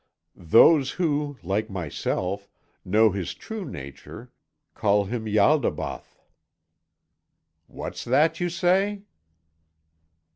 Those who, like myself, know His true nature, call Him Ialdabaoth." "What's that you say?"